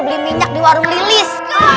beli minyak di warung lilis